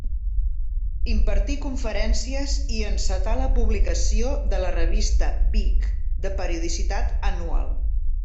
Impartí conferències i encetà la publicació de la revista Vic de periodicitat anual.